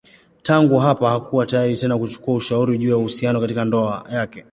Tangu hapa hakuwa tayari tena kuchukua ushauri juu ya uhusiano katika ndoa yake.